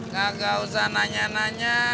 gak usah nanya nanya